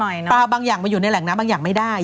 ปลาบางอย่างมาอยู่ในแหล่งน้ำบางอย่างไม่ได้